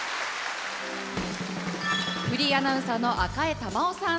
フリーアナウンサーの赤江珠緒さん。